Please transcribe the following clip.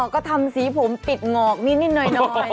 ก็ทำสีผมปิดหงอกนิดหน่อย